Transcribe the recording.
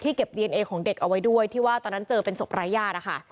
เก็บดีเอนเอของเด็กเอาไว้ด้วยที่ว่าตอนนั้นเจอเป็นศพรายญาตินะคะ